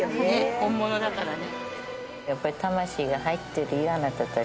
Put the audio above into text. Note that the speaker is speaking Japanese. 本物だからね。